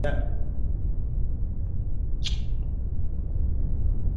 بودیجه جوړونه یو تخنیکي کار دی.